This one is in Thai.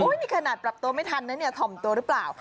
นี่ขนาดปรับตัวไม่ทันนะเนี่ยถ่อมตัวหรือเปล่า